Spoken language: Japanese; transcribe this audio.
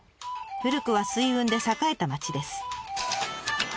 古くは水運で栄えた町です。